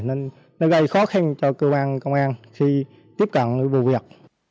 nên nó gây khó khăn cho cơ quan công an khi tiếp cận với vụ việc